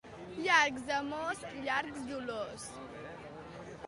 Llargs amors, llargs dolors.